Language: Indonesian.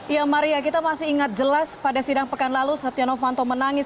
ya maria kita masih ingat jelas pada sidang pekan lalu setia novanto menangis